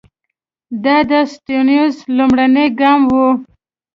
دا د سټیونز لومړنی ګام وو.